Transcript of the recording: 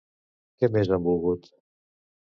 Què més han volgut?